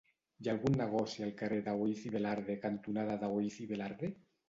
Hi ha algun negoci al carrer Daoíz i Velarde cantonada Daoíz i Velarde?